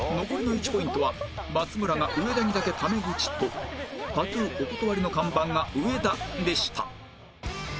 残りの１ポイントは「松村が上田にだけタメ口」と「タトゥーお断りの看板が上田」でした